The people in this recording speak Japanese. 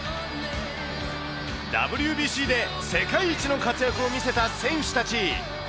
ＷＢＣで世界一の活躍を見せた選手たち。